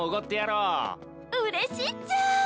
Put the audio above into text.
うれしいっちゃ！